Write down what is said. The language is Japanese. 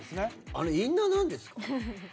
あれ、インナーなんですか？